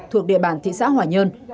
thuộc địa bàn thị xã hỏa nhơn